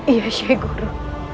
iya syekh guru